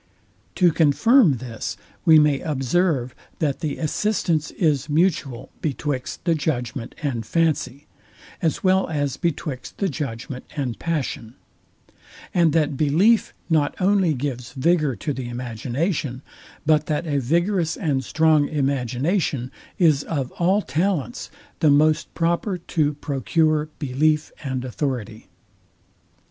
To confirm this we may observe, that the assistance is mutual betwixt the judgment and fancy, as well as betwixt the judgment and passion; and that belief not only gives vigour to the imagination, but that a vigorous and strong imagination is of all talents the most proper to procure belief and authority.